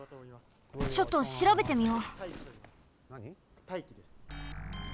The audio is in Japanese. ちょっとしらべてみよう。